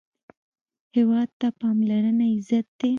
هېواد ته پاملرنه عزت دی